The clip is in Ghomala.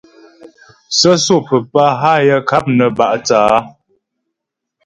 Sə́sô papá hâ yaə ŋkáp nə bá' thə̂ á.